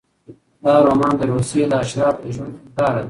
دا رومان د روسیې د اشرافو د ژوند هینداره ده.